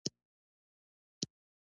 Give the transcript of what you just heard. د یوچا سپین بغاوته الله هو، الله هو